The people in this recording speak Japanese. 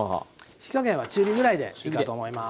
火加減は中火ぐらいでいいかと思います。